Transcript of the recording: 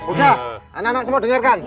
udah anak anak semua dengarkan